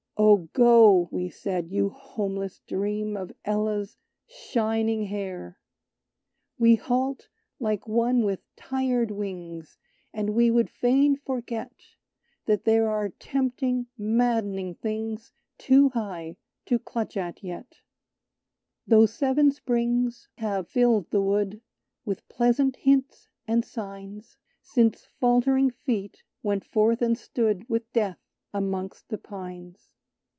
"Oh, go," we said, "you homeless Dream Of Ella's shining hair! "We halt, like one with tired wings, And we would fain forget That there are tempting, maddening things Too high to clutch at yet! "Though seven Springs have filled the Wood With pleasant hints and signs, Since faltering feet went forth and stood With Death amongst the pines."